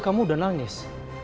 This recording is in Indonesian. kamu udah nangis